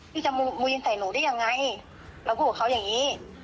พี่จะมูยินใส่หนูได้ยังไงแล้วพูดว่าเขาอย่างงี้